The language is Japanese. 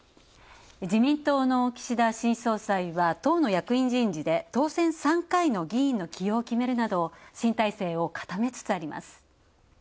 自民党の岸田新総裁は党の役員人事で当選３回の議員の起用を決めるなど、新体制を固めつつあります。